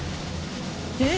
え！